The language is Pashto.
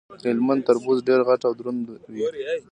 د هلمند تربوز ډیر غټ او دروند وي.